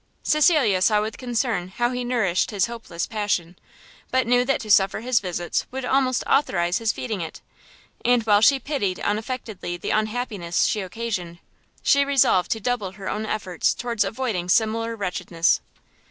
Cecilia saw with concern how he nourished his hopeless passion, but knew that to suffer his visits would almost authorise his feeding it; and while she pitied unaffectedly the unhappiness she occasioned, she resolved to double her own efforts towards avoiding similar wretchedness.